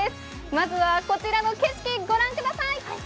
まずはこちらの景色ご覧ください！